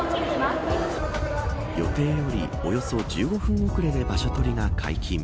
予定よりおよそ１５分遅れで場所取りが解禁。